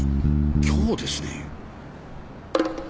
今日ですね。